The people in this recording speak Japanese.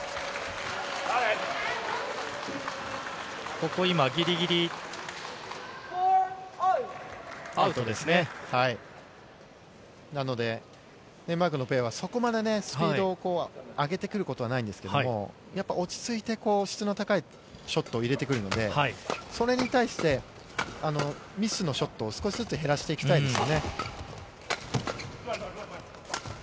ここ今、なので、デンマークのペアはそこまでスピードを上げてくることはないんですけど、やっぱり落ち着いて質の高いショットを入れてくるので、それに対してミスのショットを少しずつ減らしていきたいんですよね。